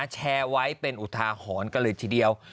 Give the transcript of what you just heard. แชร์ไว้เป็นอุทาหรณ์กันเลยทีเดียว